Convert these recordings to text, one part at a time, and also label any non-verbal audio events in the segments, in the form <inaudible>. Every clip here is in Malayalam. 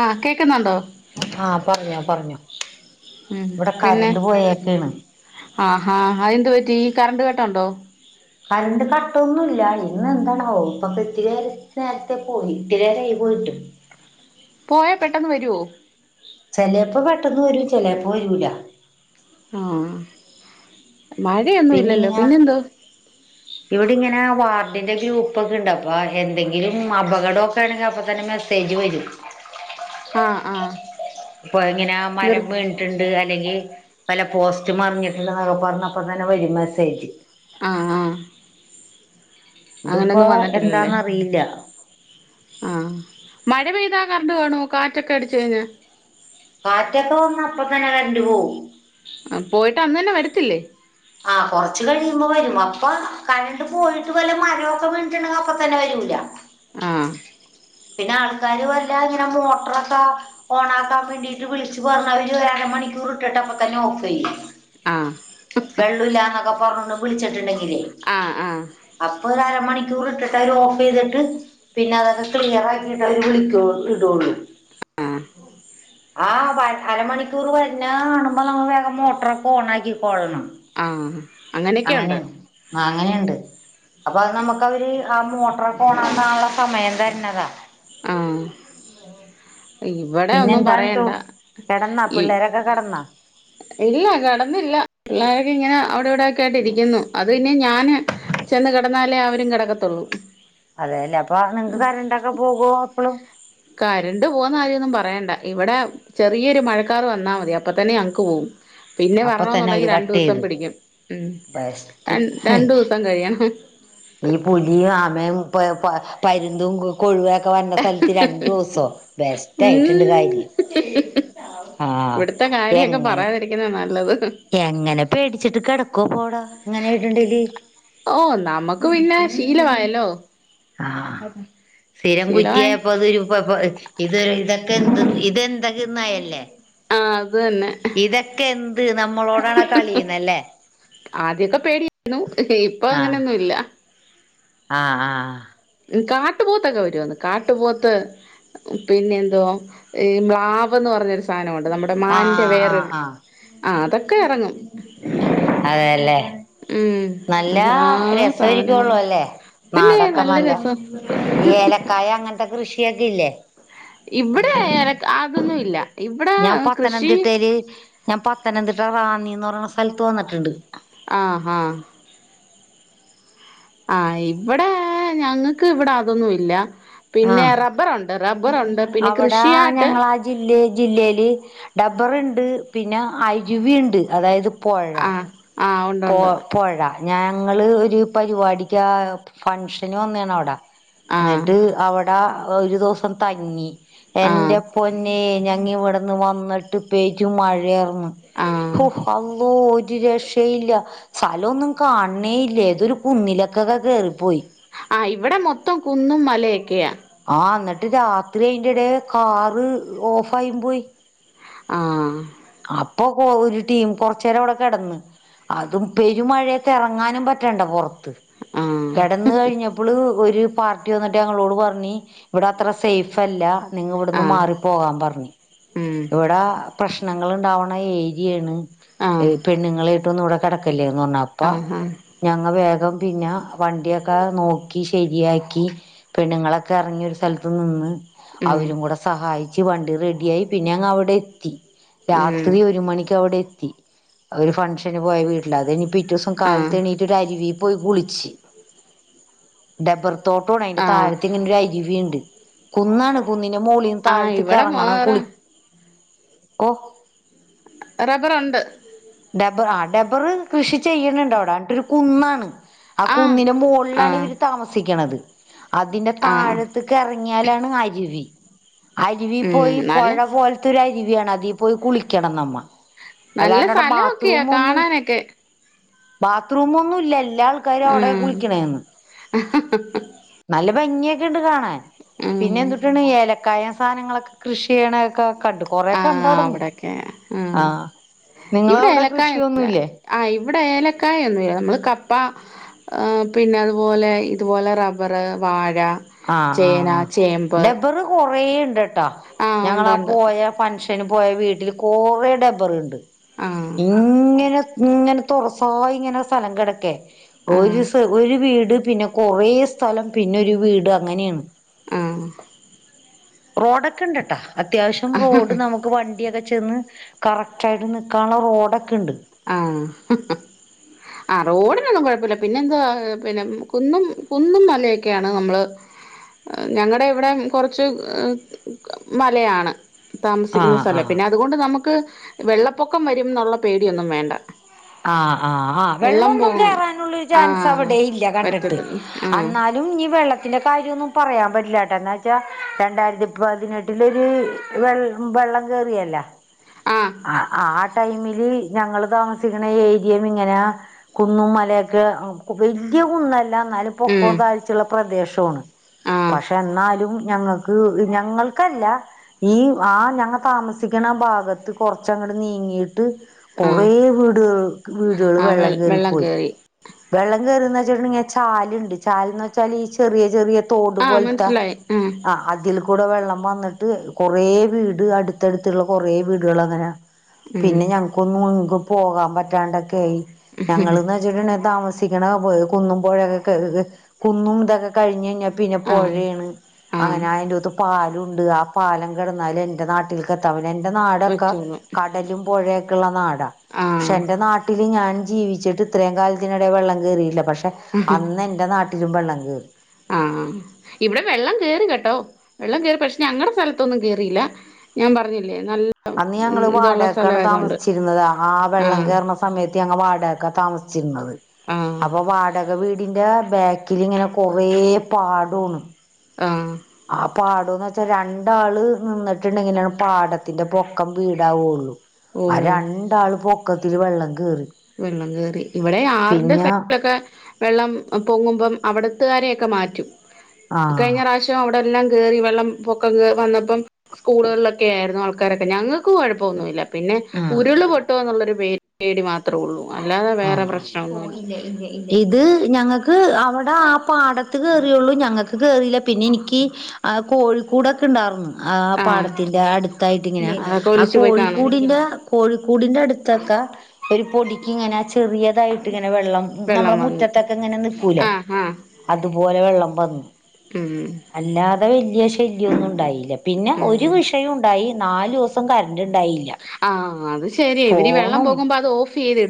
ആ കേ ക്ക്ന്നുണ്ടോ ആ പറഞ്ഞോ പറഞ്ഞോ ഉം ഇവടെ പിന്നെ കരണ്ട് പോയെക്കേണ് ടീ കറണ്ട് കട്ട്ണ്ടോ കറണ്ട് കട്ടൊന്നുല്ല ഇന്ന് എന്താണാവൊ ഇപ്പൊ ഇത്തിരേ നേരത്തെ പോയി ഇത്തിരേരായി പോയിട്ട് പോയ പെട്ടെന്ന് വരോ? ട്ടെന്ന് വരും ചെലേപ്പ വരൂല. ആ മഴയൊന്നും പിന്നെ ഇല്ലല്ലോ ഇങ്ങനെ പിന്നെന്തോ പ്പിന്റെ ഗ്രൂപ്പോക്കെണ്ടപ്പോ എന്തെങ്കിലും അപകടോക്കെണെങ്കി അപ്പൊ തന്നെ മെസ്സേജ് വരും. ആഹ് ആഹ് ഇപ്പൊ എങ്ങനെ നിർ മരം വീണിട്ടുണ്ട് അല്ലെങ്കി വല്ല പോസ്റ്റ് മറിഞ്ഞിട്ടിണ്ട് ന്നൊക്കെ പറഞ്ഞപ്പ തന്നെ വരും മെസ്സേജ്. ആഹ് ആ ഇതിപ്പോ അങ്ങനെന്നും വന്നിട്ടില്ലല്ലേ എന്താന്നറിയില്ല ആഹ് മഴ പെയ്താ കരണ്ടു ‌പോണു കാറ്റൊക്കെ അടിച്ച് കഴിഞ്ഞാൽ. കാറ്റൊക്കെ വന്ന അപ്പ തന്നെ കരണ്ട് പോവും. ആ പോയിട്ട് അന്ന് തന്നെ വരത്തില്ലേ? ആഹ് കൊറച്ച് കഴിയുമ്പോ വരും, അപ്പൊ കരണ്ട് പോയിട്ട് വല്ല മരമൊക്കെ വീണ്ടിട്ടുണ്ടെങ്കിൽ അപ്പ തന്നെ വരൂലാ. ആഹ് പിന്നെ ആൾക്കാര് വല്ല ഇങ്ങനെ മോട്ടറൊക്കെ ഓണ് ആക്കാൻ വേണ്ടിട്ട്‌ വിളിച്ച് പറഞ്ഞാ അരമണിക്കൂർ ഇട്ടിട്ട് അപ്പ തന്നെ ഓഫ് ചെയ്യും. ആഹ് വെള്ളൂല്ലാന്നൊക്കെ പറഞ്ഞോണ്ട് വിളിച്ചിട്ടുണ്ടെങ്കിലേ ആഹ് ആഹ് ഒരരമണിക്കൂർ ഇട്ടിട്ട് അവര് ഓഫ് ചെയ്തിട്ട് പിന്നെ അതൊക്കെ ക്ലിയർ ആക്കീട്ടവര് വിളിക്കുള്ളു ഇടുള്ളൂ ആഹ് ആ വ അരമണിക്കൂർ വരുന്ന കാണുമ്പോ നമ്മ വേഗം മോട്ടറൊക്കെ ഓൺ ആക്കി കോളണം. ആഹ് അങ്ങനെയൊക്കെയുണ്ട് അങ്ങനെയാ ആ അങ്ങനെയുണ്ട്. അപ്പൊ അത് നമുക്ക് അവര് ആ മോട്ടറൊക്കെ ഓണാക്കാനുള്ള സമയം തരു ന്നതാ. ആഹ് ഇവിടെ ഒന്നും പിന്നെന്താണ് ചോ പറയണ്ട കിടന്നാ ഇ പിള്ളേരൊക്കെ കിടന്നാ ഇല്ല കിടന്നില്ല പിള്ളേര് ഇങ്ങനെ അവിടെ ഇവിടേക്കായിട്ട് ഇരിക്കുന്നു, അത് ഇനി ഞാൻ <unintelligible> ചെന്ന് കിടന്നാലേ അവരും കിടക്കത്തുള്ളൂ. അതെയല്ലേ അപ്പൊ നിങ്ങക്ക് കരണ്ട് ഓക്കെ പോകുവോ എപ്പളും? കരണ്ട് പോകുന്ന കാര്യമൊന്നും പറയണ്ട ഇവിടെ ചെറിയൊരു മഴക്കാറ് വന്നാ മതി അപ്പ തന്നെ ഞങ്ങക്ക് പോകും. പിന്നെ അപ്പൊ തന്നെ വരണന്നുണ്ടെങ്കി അവര് രണ്ടു കട്ട് ദിവസം ചെയ്ത് പിടിക്കും ഉം ബെസ്റ്റ് ര രണ്ടു ദിവസം കഴിയണം. ഈ പുലിയും ആമയും പ പ പരുന്തും കൊഴുവ ക്കെ വരണ സ്ഥലത്ത് രണ്ടു ദിവസോ ബെസ്റ്റ് ആയിട്ടുണ്ട് ഉം. കാര്യം ആഹ് ഇവിടുത്തെ കാര്യമൊക്കെ എങ്ങനെ? പറയാതിരിക്കുന്നത് നല്ലത് എങ്ങനെ പേടിച്ചിട്ട് കിടക്കുവപ്പവടെ ഇങ്ങനെ ഇടണ്ടേല്. ഓ നമുക്ക് പിന്നെ ശീലമായല്ലോ <unintelligible> സ്ഥിരം ശീലമായ കുറ്റിയായപ്പോ അതു ഇത് പ പ ഓ ഇതൊരു ഇ ഇത് ഇത് ഇതെന്തൊക്കെന്നായല്ലേ? ആ അത് തന്നെ എന്ത് നമ്മളോടാണ് കളിയുന്നല്ലേ ആദ്യക്കൊ പേടിയായിരുന്നു ഇപ്പൊ ആഹ് അങ്ങനെയൊന്നുല്ല. ആഹ് ആഹ് കാട്ടുപോത്തൊക്കെ വരുമെന്ന് കാട്ടുപോത്ത് പിന്നെ എന്തോ ഈ മ്ലാവ്ന്ന് പറഞ്ഞൊരു സാധനമുണ്ട് നമ്മുടെ ആ മാന്റെ ആ വേറൊരു ആഹ് ആ അതൊക്കെ ഇറങ്ങും അതെയല്ലേ? ഉം നല്ലാ എല്ലാ രസായിരിക്കുള്ളൂ സാധനങ്ങളും അല്ലേ പിന്നെ നാടൊക്കെ നല്ല രസം ഈ ഏലക്കായ അങ്ങ നത്തെ കൃഷിയൊക്കെ ഇല്ലേ? ഇവിടെ എലക്ക് അതൊന്നും ഇൽ ഇല്ല- ഇവ്ടെ കൃഷി- ഞാ പത്തനംതിട്ട റാന്നിന്ന് പറയുന്ന സൽത്ത് വന്നിട്ട്ണ്ട്- ആ ഹാ- ആ ഇവ്വടേ ഞങ്ങക്ക് ഇവ്ടെ അതൊന്നൂല്ല- ആ പിന്നെ അവടാ കൃഷിയായിട്ട് ഞങ്ങളാ ജില്ലെ ജില്ലേല് ഡബർൺ ണ്ട് പിന്നെ അരുവിണ്ട് അതായത്- പൊഴ- ആഹ് ആഹ് ഉണ്ട് പോ ഉണ്ട് പൊഴ ഞാൻ- ഞങ്ങള് ഒരു പരിപാടിക്കാ ഫങ്ഷന് വന്നേണവിട- ആഹ് ന്നിട്ട് അവട് ആ ഒരു ദുവസം തങ്ങി- ആഹ് എന്റെ പൊന്നേ ഞാ ങ്ങി ഇവിടുന്ന് വന്നിട്ട് പെര്മഴയ- ഉം ആഹ് ഹു അള്ളോയ് ജിജേഷ് ഹേയ് ഇല്ല സ്ഥലോന്നും കാണണേ ഇല്ല ഏതൊരു കുന്നിലൊക്കൊക്കെ കേറിപ്പോയി. ആ ഇവിടെ മൊത്തം കുന്നും മലയൊക്കെയാ. ആ എന്നിട്ട് രാത്രി ഇതിന്റെടെ കാറ് ഓഫ് ആയി പോയി. ആ അപ്പോ കൊ ഒരു ടീം കൊറച്ച നേരം അവിടെ കെടന്ന്, അതും പെരുമഴയത്ത് എറങ്ങാനും പറ്റണ്ട പൊറത് ത് ആഹ് കെടന്ന് കഴിഞ്ഞപ്പള് ഒരു പാർട്ടി വന്നിട്ട് ഞങ്ങളോട് പറഞ്ഞി ഇവിടെ അത്ര സേഫ് അല്ല. നിങ്ങ ഇവിടുന്ന് ആഹ് മാറി പോകാൻ പറഞ്ഞി. ഉം ഇവടാ പ്രശ്നങ്ങള്ണ്ടാവണ ഏരിയാണ്. ആഹ് ഏ പെണ്ണുങ്ങളെ ആയിട്ടൊന്ന്ടെ കടക്കല്ല് <unintelligible> അപ്പ ആഹ് ആഹ് ഞങ്ങ വേ അപ്പം പിന്ന വണ്ടിയൊക്കെ നോക്കി ഇഷ് ശെരിയാക്കി പെണ്ണുങ്ങളൊക്കെ എറങ്ങി ഒരു സ്ഥലത്ത് നിന്ന്. ഉം അവരും കൂടെ സഹായി ച്ച് വണ്ടി റെഡിയായി. പിന്നെ ഞങ്ങ അവടെത്തി ഉം രാത്രി ഒരു മണിക്ക് അവിടെ ഒരു ഫങ്ഷന് പോയ വീട്ടില് അതെനി പിറ്റ ദിവസം ആഹ് കാലത്തേ എണീറ്റിട്ട് ആരിവെപ്പ് പോയി കുളിച്ച് ഡബ്ബർ തോട്ടമാണ് അതിന്റെ ആഹ് താഴത്ത ഇങ്ങനെ ഒരു അരുവിയുണ്ട് കുന്നാണ് കുന്നി മോളീന്ന് ആഹ് താഴത്തേക്ക് ഇവിടെ ഇറങ്ങണം വേറെ കുളി ഓ റബ്ബറുണ്ട് ഡബർ ആ ഡബറ് കൃഷി ചെയ്യുന്നുണ്ട് അവിടെ അവിടെ ഒരു കുന്നാണ് ആ ആഹ് കുന്നിന്റെ മോളിലാണ് ആഹ് ഇവര് താമസിക്കണത് അതിന്റെ ആഹ് താഴത്തക്ക് ഇറങ്ങിയാലാണ് അരുവി അരുവി ഉം പോയി നല്ല പുഴ പോലത്തൊരു അരുവിയാണ് അതി പോയി കുളിക്കണം നമ്മ നല്ല അല്ലാണ്ട് അവിടെ നല്ലതൊക്കയാ ബാത്റൂം ഒന്നും കാണാനൊക്കെ ബാത്റൂം ഒന്നും ഇല്ലല്ല എല്ലാ ആൾക്കാരും അവിടെ കുളിക്കണത് ഹ് ഹ് ഹ് നല്ല ഭംഗിയൊക്കെ ഇണ്ട് കാണാൻ പിന്നെ ഉം എന്തുട്ടാണ് ഏലക്കായ സാധാനങ്ങളൊക്കെ കൃഷി ചെയ്യണൊക്കെ കണ്ടു കൊറേ ആ കണ്ടു അവിടുന്ന് അവിടൊക്കെ ആ ഇവിടെ നിങ്ങളവിടെ ഏലക്കായൊന്നുംല്ല കൃഷിയൊന്നുമില്ലേ ആ ഇവിടെ ഏലക്കായ ഒന്നുമല്ല നമ്മള് കപ്പ ആഹ പിന്നെ അതുപോലെ ഇതുപോലെ റബ്ബർ വാഴ ആഹ് ചേന ആഹ് ആ ചേമ്പ് ഡബ്ബർ കൊറേ <unintelligible> <unintelligible> ആഹ് ഞങ്ങൾ ഉണ്ട് ഉണ്ട് പോയ ഫങ്ഷൻ ഫങ്ഷന് പോയ വീട്ടിൽ കൊറേ ഡബ്ബർ ഉണ്ട് ആഹ് ഇങ്ങനെ ഇങ്ങനെ തുറസായി ഇങ്ങനെ സ്ഥലം കിടക്കെ ആഹ് ഒരൂസ ഒരു വീട് പിന്നെ കൊറേ സ്ഥലം പിന്നെ ഒരു വീട് അങ്ങനെയാണ് ആഹ് റോഡൊക്കെണ്ട്ട്ടാ അത്യാവശ്യം റോഡ് നമുക്ക് വണ്ടിയൊക്കെ ചെന്ന് കറക്ട് ആയിട്ട് നിക്കാനുള്ള റോടൊ ആഹ് ആ റോഡിനൊന്നും കുഴപ്പോല്ല പിന്നെന്താ പിന്നെ കുന്നും കുന്നും മലയൊക്കെയാണ് നമ്മള് ഞങ്ങടെ ഇവിടെ കുറച്ച് മലയാണ്. താമസിക്കുന്ന ആഹ് സ്ഥലം ആഹ് പിന്നെ അതുകൊണ്ട് നമുക്ക് വെള്ളപ്പൊക്കം വരുംന്നുള്ള പേ ടി ഒന്നും വേണ്ട ആഹ് ആഹ് ആഹ് വെള്ളം വെള്ളൊന്നും പോകും കേറാനുള്ളൊരു ചാൻസ് ആഹ് അവിടെ ഇല്ല കണ്ടിട്ട് പറ്റത്തില്ല ആഹ് അന്നാലും നി വെള്ളത്തിന്റെ കാര്യോന്നും പറയാൻ പറ്റില്ലാട്ട എന്നാച്ചാ രണ്ടായിരത്തിപ്പതിനെട്ടിലൊരു വെള് വെള്ളം കേറിയല്ലാ ആഹ് ആഹ് ടൈമില് ഞങ്ങള് താമസിക്കണ ഏരിയേന്ന്ങ്ങനെ കുന്നും മലൊക്കെ വല്യ കുന്നല്ല നല്ല പൊക്കോം ഉം താഴ്ചുള്ള പ്രദേശോണ് ആഹ് പക്ഷെ എന്നാലും ഞങ്ങക്ക് ഞങ്ങൾക്കല്ല ഈ ആ ഞങ്ങ താമസിക്കണ ഭാഗത്ത് കൊറച്ചങ്ങട് നീങ്ങീട്ട് ആഹ് കൊറേ വീടുകൾ വീടുകള് വെള്ളം കേറി പോയി വെള്ളം കേറി <unintelligible> <unintelligible> ചാല്ണ്ട് ചാൽന്ന് വെച്ചാല് ഈ ചെറിയ ചെറിയ തോട് ആഹ് പോൽത്ത മനസ്സിലായി ആഹ് ആ അതിൽ കൂടെ വെള്ളം വന്നിട്ട് കൊറേ വീട് അടുത്തടുത്ത്ള്ള കൊറേ വീടുകളങ്ങനാ ഉം പിന്നെ ഞങ്ങക്കൊന്നും <unintelligible> പോകാൻ പറ്റാണ്ടൊക്കായി ഞങ്ങള്ന്ന് വച്ചിട്ടുണ്ടേ. താമസിക്കണ കുന്നും പുഴയൊക്കെ കേറി കുന്നും ഇതൊക്കെ കഴിഞ്ഞ് കഴിഞ്ഞ് പിന്നെ ആഹ് പുഴേണ് ആഹ് അങ്ങനെഅതിന് അകത്ത് പാ ണ്ട് ആ പാലം കിടന്നാല് എന്റെ നാട്ടിൽക്കെത്താൻ എന്റെ നാടൊക്കെ വെച്ചോളും കടലും പുഴയൊക്കള്ള നാടാ പക്ഷെ ആഹ് എന്റെ നാട്ടില് ഞാന് ജീവിച്ചിട്ട്ത്രേം കാല അതിനിടെ വെള്ളം കേറീല്ല പക്ഷേ അന്ന് എന്റെ നാട്ടിലും വെള്ളം ഏർ ആ ഇവിടെ വെള്ളം കേറി കേട്ടോ വെള്ളം കേറി പക്ഷേ ഞങ്ങുടെ സ്ഥലത്തൊന്നും കേറിയില്ല ഞാൻ പറഞ്ഞില്ലേ നല്ല അന്ന് ഞങ്ങള് ഇതുള്ള വാടകക്കാണ് സ്ഥലമായതുകൊണ്ട് താമസിച്ചിരുന്നത് ആ വെള്ളം ആഹ് കേറുന്ന സമയത്ത് ഞങ്ങ് വാടക ക താമസിച്ചിരുന്നത് ആഹ് അപ്പൊ വാടക വീട് വീടിന്റെ ബാക്കിലിങ്ങനെ കൊറേ പാടോണ് ആ ആ പാടംന്ന് വെച്ചാ രണ്ടാള് നിന്നിട്ടുണ്ടെങ്കിലാ പാടത്തിന്റെ പൊക്കം വീടാവോള്ളു ആ ഓഹ് രണ്ടാള് പൊ ക്കത്തില് വെള്ളം കേറി വെള്ളം കേറി ഇവടെ ആറിന്റെ പിന്നെ സൈഡിലൊക്കെ വെള്ളം പൊങ്ങുമ്പം അവിടത്തുകാരെയൊക്കെ മാറ്റും കഴിഞ്ഞ ആഹ് പ്രശ്യോം അവിടെ എല്ലാം കേ കേറി വെള്ളം പൊക്കം വന്നപ്പം സ്കൂളുകളിലൊക്കെ ആരുന്നു ആൾക്കാരൊക്കെ ഞങ്ങക്ക് കൊഴപ്പവോന്നുവില്ല പിന്നെ ഉരുള് പൊട്ടുവോ എന്നുള്ളൊരു പേ പേടി മാ ആ ഓ ഇല്ല ഇല്ല ഇത് ഞങ്ങ ക്ക് അവടെ ആ പാടത്ത് കേറിയൊള്ളൂ ഞങ്ങക്ക് കേറില്ല പിന്നെ എനിക്ക് ആ കോഴിക്കൂടൊക്കെ ഒണ്ടാർന്ന് ആ ആഹ് പാടത്തിന്റെ അടുത്തായിട്ട് ഇങ്ങനെ അതൊക്കെ ആ ഒലിച്ചു പോയി കാണും കോഴിക്കൂടിന്റെ കോഴിക്കൂടിന്റെ അടുത്തൊക്കെ ഒരുപൊടി ഇങ്ങനെ ചെറിയതായിട്ട് ഇങ്ങനെ വെള്ളം വെള്ളം നമ്മളെ വന്ന് മുറ്റത്തൊക്കെ ഇങ്ങനെ നിക്കൂലേ ആഹ് ആഹ് അതുപോലെ വെള്ളം വന്നു ഉം അല്ലാതെ വ വലിയ ശല്യം ഒന്നുണ്ടായി പിന്നെ ഒരു ഉം വിഷയം ഉണ്ടായി നാല് ദെവസം കര ണ്ടായില്ല ആ അത് ശരി ഇവിടീ വെള്ളം പോകുമ്പോ അത് ഓഫ് ചെയ്തി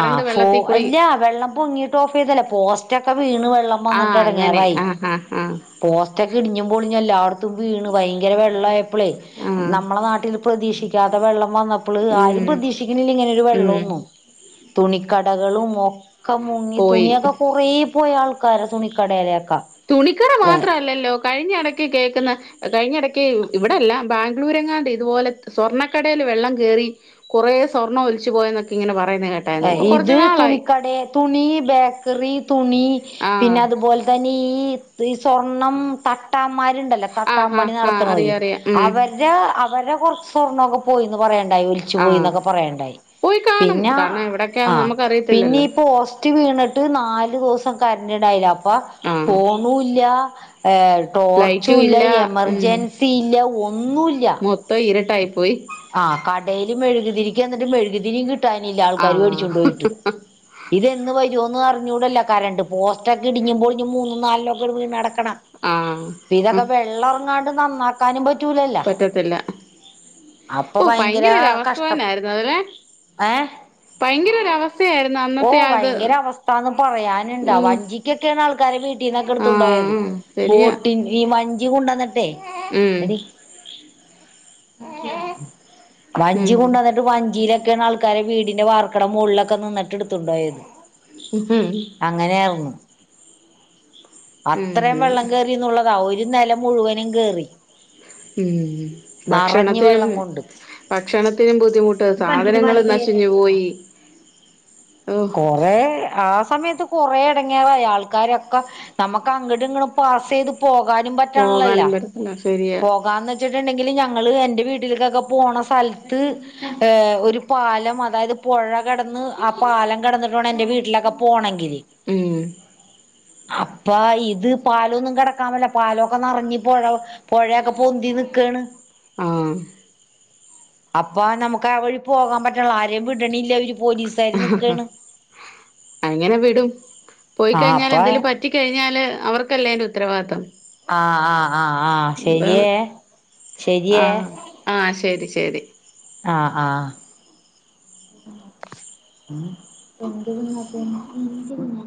ആ ഫോ അല്ല വെള്ളം പൊങ്ങിട്ട് ഓഫ് ചെയ്തേല്ല പോസ്റ്റൊക്കെ വീണ് വെള്ളം വന്നിട്ട് ആഹ് അങ്ങനെ ഇടങ്ങേറായി ആഹ് ആഹ് ആഹ് പോസ്റ്റ് ഒക്കെ ഇടിഞ്ഞും പൊളിഞ്ഞല്ലോ അടും തും വീണ് ഭയങ്കര വെള്ളായ് അപ്പളേ ആഹ് നമ്മളെ നാട്ടിൽ പ്രതീക്ഷിക്ക് ക്കാതെ വെള്ളം വന്നപ്പ്ള് ആരും ഉം പ്രതീക്ഷിക്ക്ണില്ല ഇങ്ങനെ ഒരു ഉം വെള്ളോന്നും തുണിക്കടകളുമോ ക്കമുങ്ങി പോയി തുണിയൊക്കെ കൊറേ പോയ ആൾക്കാര്ടെ തുണിക്കടേലെ തുണിക്കട മാത്രല്ലല്ലോ കഴിഞ്ഞ എടയ്ക്ക് കേക്കുന്ന കഴിഞ്ഞ എടക്ക് വ് ഇവിടല്ലാ ബാംഗ്ലൂരെങ്ങാണ്ട് ഇതുപോലെ സ്വർണ്ണക്കടേല് വെള്ളം കേറി കൊറേ സ്വർണ്ണോല്ച്ച് പോയെന്നൊക്കെ ഇങ്ങനെ വാർ എ ഇത് തുണിക്കടേ തുണി ബേക്കറി തുണി ആഹ് പിന്നതുപോൽ തന്നെ ഈ ഈ സ്വർണം തട്ടാമ്മാര് ര്ണ്ടല്ലോ ആഹ് തട്ടാമ്പണി ആഹ് ആഹ് നടത്തണോര് അറിയാ അറിയാ ഉം അവര് അവരെകൊർച്സ്വർണോക്കേ പോ പോയിന്ന് പറയാൺ ടൈൽച്ചു ആഹ് പോയിന്നൊക്കെ പറയണ്ടായി പോയി കാണും പിന്നാ കാരണം ആ എവിടൊക്കെയാന്ന് പിന്നെ നമുക്കറിയത്തില്ലല്ലോ ഈ പോസ്റ്റ് വീണ്ട്ട് നാലു ദോസ് പ്പ കരണ്ട്ണ്ടായില അപ്പ് പ ആഹ് ഫോണൂല്ല്യാ ഏ ലൈറ്റും ടോർച്ചൂല്ല എമർജെൻസി ഇല്ല ഒന്നു മൊത്ത ഇര്ട്ടായ് ആ കടേല് മെഴുകുതിരിക്കെന്നിട്ട് മെഴ് ക് തിരി കിട്ട് ട്ടാനില്ല ആൾക്കാര് വേടിച്ച് ആഹ് കൊണ്ടോയിട്ട് ഇതെന്ന് വര്വോന്ന് അർ ഞ്ഞൂടല്ലാ കരണ്ട് പോസ്റ്റക്കെ ഇടിഞ്ഞും പൊളിഞ്ഞും മൂന്നും നാൽ ലൊക്കെ വീണെടക്ക കണാ ആഹ് ഇതൊക്കെ വെള്ളോറ്ങ്ങാൺ ത് നന്നാക്കാനും പറ്റ് പറ്റത്തില്ല അപ്പൊ ഓ ഭയങ്കര ഭയങ്കരാ ഒരു അവസ്ഥ കഷ്ടം തന്നായിരുന്നു അതല്ലേ ഏ ഭയങ്കര ഒരു അവസ്ഥയായിരുന്നു ഓ അന്നത്തെ അത് ഭയങ്കര അവസ്ഥാന്ന് പറയാന്ണ്ടാ ഉം വഞ്ചിക്കൊക്കെയാണ് ആൾക്കാരെ വീട്ടീന്നൊക്കെ എടുത്തൊണ്ടോയത് ആഹ് ശരിയാ ബോട്ടിൻ ഈ വഞ്ചി കൊണ്ടന്നട്ട് തേ ഉം എടി ഉം വഞ്ചി കൊണ്ടന്നിട്ട് വഞ്ചിലൊക്കെ റ്റേന്നാൾക്കാരെ വീടിന്റെ വാർക്കെടെ മോൾലൊക്കെ നിന്നിട്ട് എടുത്തോണ്ടോയത് ഉം അങ്ങനെയാർന്നു അത്രേം ഉം വെള്ളം കേറീന്നുള്ളതാ ഒര് ഒരു നില മുഴുവനും കേറി ഉം നിറഞ്ഞു ഭക്ഷണത്തിനും വെള്ളം കൊണ്ട് ഭക്ഷണത്തിനും ബുദ്ധിമുട്ട് പണ്ടട് സാധനങ്ങളും നശഞ്ഞു പോയി ഓ കൊറേ ആ സമയത്ത് ത്ത് കുറെ എടങ്ങറായി ആൾക്കാരൊക്കെ നമുക്ക് അങ്ങട് ഇങ്ങട് പാസ്സയ്ത് പോകാനും പോകാനും പറ്റണള്ളല്ലല്ലോ പറ്റത്തില്ല ശരിയാ പോകാം ന്നേച്ച്ട്ട്ണ്ടെങ്കില് ഞാ- ഞങ്ങള് എന്റെ വീട്ടിലേക്കൊക്കെ പോണ സലത്ത് ഒരു പാലം അതായത് പുഴ കിടന്ന് ആ പാലം കിടന്നിട്ടാണം എന്റെ വീട്ടിലൊക്കെ പോണങ്കിൽ ഉം അപ്പ ഇത് പാലൊന്നും കിടക്കാമല്ല പാലൊക്കെ നിറഞ്ഞിപ്പൊഴ പുഴയൊക്കെ പൊന്തി ന്നിക്കാണ് ആഹ് അപ്പൊ നമുക്ക് ആ വഴി പോകാൻ പറ്റ്ണില്ല ആരേും വിടണല്ല ഒര് പോലീസ് തരി നിക്കാണ് അങ്ങനെ വിടും പോയി ആഹ് കഴിഞ്ഞാല് അപ്പ എന്തേലും പറ്റി കഴിഞ്ഞാല് അവർക്കല്ലേ അതിന്റെ ഉത്തരവാദിത്വം. ആഹ് ആഹ് ആ ആശെരിയേ ശെരിയേ. ശെരി ആഹ് ആഹ്, ഉം <inaudible>